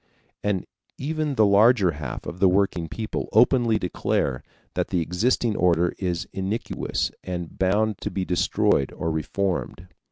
And even the larger half of the working people openly declare that the existing order is iniquitous and bound to be destroyed or reformed.